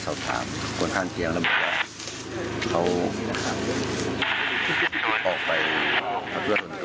ประกอบประติภูมิขายและกล้องอุดเบี้ยงในเทศอุดเนี่ยปฏิบัติหน้าที่เป็นยังไงบ้างคะ